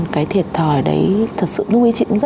cái thiệt thòi đấy thật sự